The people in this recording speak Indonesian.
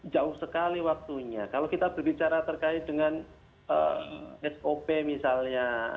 jauh sekali waktunya kalau kita berbicara terkait dengan sop misalnya